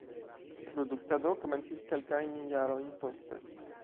Produktado komencis kelkajn jarojn poste.